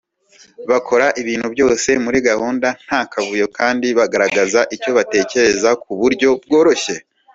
bakora ibintu byose muri gahunda nta kavuyo kandi bagaragaza icyo batekereza ku buryo bworoshye